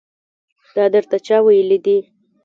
دا درته چا ويلي دي.